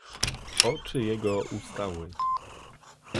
"Oczy jego ustały."